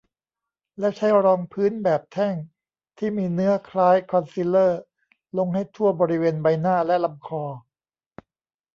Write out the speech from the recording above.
แล้วใช้รองพื้นแบบแท่งที่มีเนื้อคล้ายคอนซีลเลอร์ลงให้ทั่วบริเวณใบหน้า และลำคอ